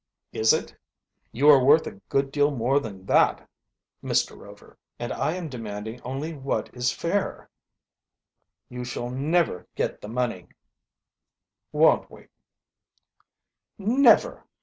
"Is it? You are worth a good deal more than that, Mr. Rover. And I am demanding only what is fair." "You shall never get the money." "Won't we?" "Never!"